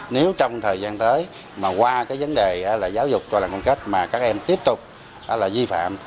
nếu trong thời gian tới qua vấn đề giáo dục cho làng công kết mà các em tiếp tục di phạm